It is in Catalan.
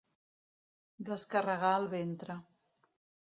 Descarregar el ventre.